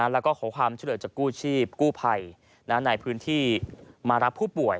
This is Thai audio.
แล้วก็ขอความช่วยเหลือจากกู้ชีพกู้ภัยในพื้นที่มารับผู้ป่วย